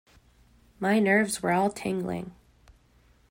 My nerves were all tingling.